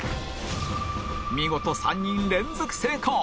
見事３人連続成功！